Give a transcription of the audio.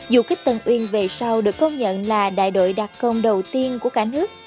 du kích tân uyên về sau được công nhận là đại đội đặc công đầu tiên của cả nước